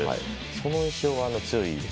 その印象が強いです。